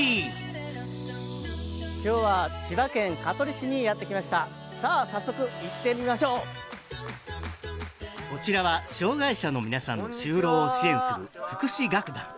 今日は千葉県香取市にやってきましたさあ早速行ってみましょうこちらは障害者の皆さんの就労を支援する福祉楽団